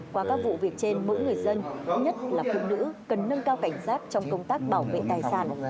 qua các vụ việc trên mỗi người dân nhất là phụ nữ cần nâng cao cảnh giác trong công tác bảo vệ tài sản